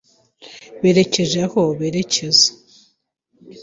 Berekeje aho berekeza.